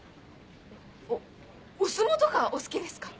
おお相撲とかお好きですか？